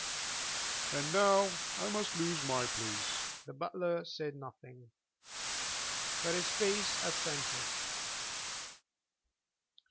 "And now I must lose my place." The butler said nothing, but his face assented.